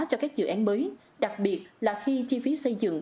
cho các dự án mới đặc biệt là khi chi phí xây dựng